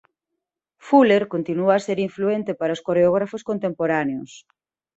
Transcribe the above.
Fuller continúa a ser influente para os coreógrafos contemporáneos.